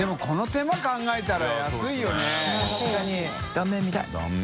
断面見たい！